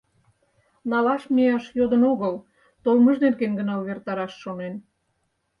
Налаш мияш йодын огыл, толмыж нерген гына увертараш шонен.